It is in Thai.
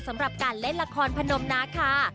สำหรับการเล่นละครพนมนาคา